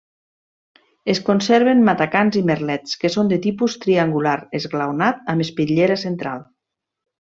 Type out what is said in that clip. Es conserven matacans i merlets que són de tipus triangular esglaonat amb espitllera central.